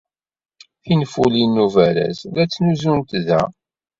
Tinfulin n ubaraz la ttnuzunt da.